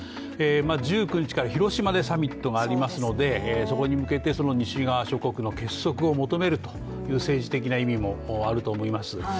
１９日から広島でサミットがありますのでそこに向けてその西側諸国の結束を求めるという政治的な意味もあると思います。